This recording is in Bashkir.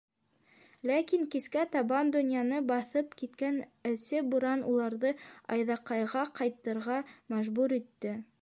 Ләкин кискә табан донъяны баҫып киткән әсе буран уларҙы Айҙаҡайға ҡайтырға мәжбүр итте.